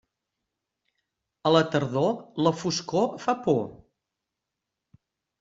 A la tardor, la foscor fa por.